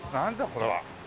これは。